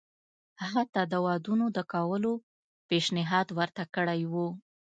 حتی د ودونو د کولو پېشنهاد ورته کړی وو.